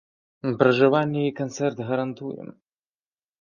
Пражыванне і канцэрт гарантуем!